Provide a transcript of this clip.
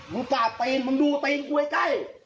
มึงกราบตีนมึงดูตีนกูให้ใกล้